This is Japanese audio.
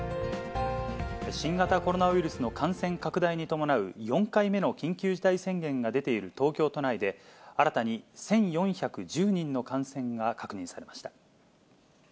新型コロナウイルスの感染拡大に伴う４回目の緊急事態宣言が出ている東京都内で、新たに１４１０人の感染が確認されました。